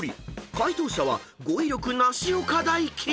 解答者は語彙力なし岡大貴］